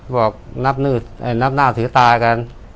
บอกนับหน้าถือตากัน